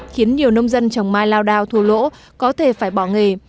khiến nhiều nông dân trồng mai lao đao thua lỗ có thể phải bỏ nghề